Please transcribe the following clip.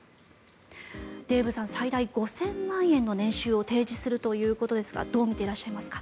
デーブさん、最大５０００万円の年収を提示するということですがどう見ていらっしゃいますか？